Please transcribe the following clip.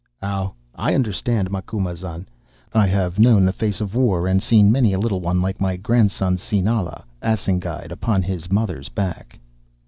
"'Ow! I understand, Macumazahn. I have known the face of war and seen many a little one like my grandson Sinala assegaied upon his mother's back.